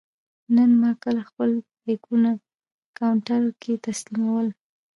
نن ما کله خپل بېکونه کاونټر کې تسلیمول.